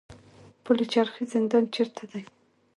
پل چرخي زندان چیرته دی؟